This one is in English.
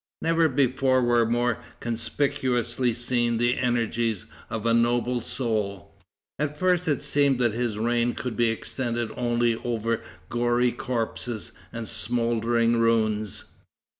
Never before were more conspicuously seen the energies of a noble soul. At first it seemed that his reign could be extended only over gory corpses and smouldering ruins.